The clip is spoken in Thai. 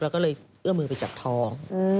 แล้วก็เลยเอื้อมือไปจับทอง